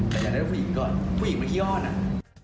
แต่อยากได้คู่หญิงก่อนผู้หญิงมันขี้อ้อน